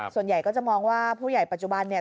ส่วนใหญ่ก็จะมองว่าผู้ใหญ่ปัจจุบันเนี่ย